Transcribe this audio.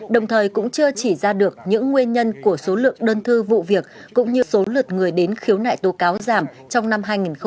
đồng thời cũng chưa chỉ ra được những nguyên nhân của số lượng đơn thư vụ việc cũng như số lượt người đến khiếu nại tố cáo giảm trong năm hai nghìn một mươi tám